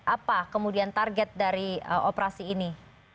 apa kemudian target dari operasi ini